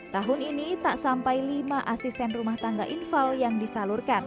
tahun ini tak sampai lima asisten rumah tangga infal yang disalurkan